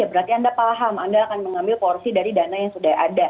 berarti anda paham anda akan mengambil porsi dari dana yang sudah ada